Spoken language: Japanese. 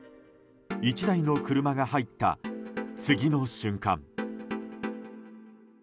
１台の車が入った、次の瞬間。